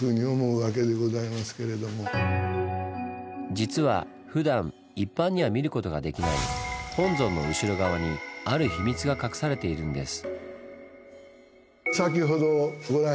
実はふだん一般には見ることができない本尊の後ろ側にあるヒミツが隠されているんです。